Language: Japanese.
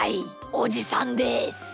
おじさんです。